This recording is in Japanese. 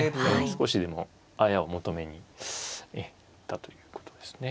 少しでもあやを求めに行ったということですね。